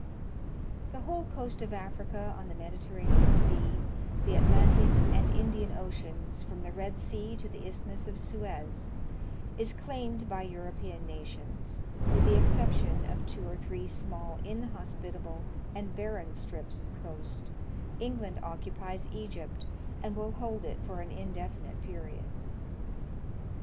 The whole coast of Africa on the Mediterranean Sea, the Atlantic and Indian Oceans from the Red Sea to the Isthmus of Suez, is claimed by European nations, with the exception of two or three small inhospitable and barren strips of coast, England occupies Egypt, and will hold it for an indefinite period.